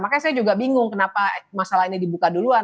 makanya saya juga bingung kenapa masalah ini dibuka duluan